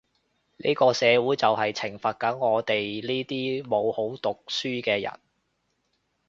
呢個社會就係懲罰緊我哋呢啲冇好好讀書嘅人